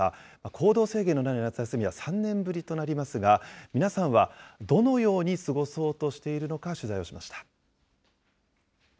行動制限のない夏休みは３年ぶりとなりますが、皆さんはどのように過ごそうとしているのか取材をしました。